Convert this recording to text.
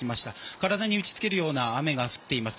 体に打ちつけるような雨が降っています。